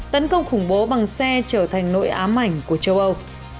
tấn công khủng bố bằng xe trở thành nội ám ảnh của châu âu